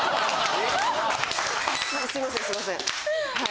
すいませんすいませんはい。